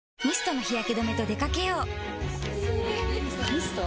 ミスト？